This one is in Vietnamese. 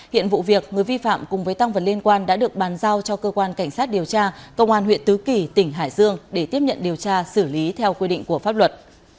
hiện vụ việc người vi phạm cùng với tăng vật liên quan đã được bàn giao cho cơ quan cảnh sát điều tra công an huyện tứ kỳ tỉnh hải dương để tiếp nhận điều tra xử lý theo quy định của pháp luật